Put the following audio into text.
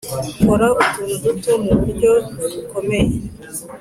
kora utuntu duto muburyo bukomeye.